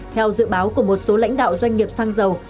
theo dự báo của một số lãnh đạo doanh nghiệp xăng dầu